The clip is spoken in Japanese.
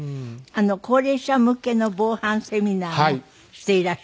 高齢者向けの防犯セミナーもしていらっしゃると。